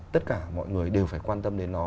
tất cả mọi người đều phải quan tâm đến nó